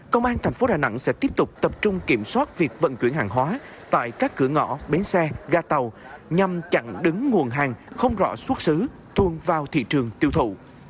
công an thành phố đà nẵng sẽ tiếp tục tập trung kiểm soát việc vận chuyển hàng hóa tại các cửa ngõ bến xe ga tàu nhằm chặn đứng nguồn hàng không rõ xuất xứ thuông vào thị trường tiêu thụ